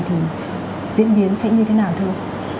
thì diễn biến sẽ như thế nào thưa